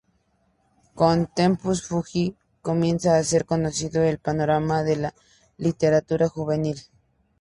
Con "Tempus Fugit" comienza a ser conocido en el panorama de la literatura juvenil.